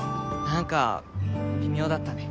何か微妙だったね